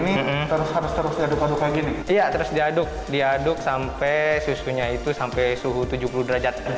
ini terus terus diaduk aduk begini ya terus diaduk diaduk sampai susunya itu sampai suhu tujuh puluh derajat